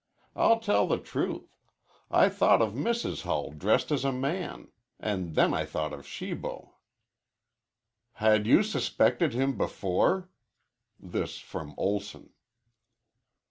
I'll tell the truth. I thought of Mrs. Hull dressed as a man an' then I thought of Shibo." "Had you suspected him before?" This from Olson.